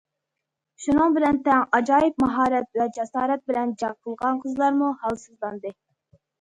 شۇنىڭ بىلەن تەڭ، ئاجايىپ ماھارەت ۋە جاسارەت بىلەن جەڭ قىلغان قىزلارمۇ ھالسىزلاندى.